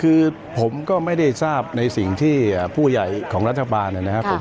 คือผมก็ไม่ได้ทราบในสิ่งที่ผู้ใหญ่ของรัฐบาลนะครับผม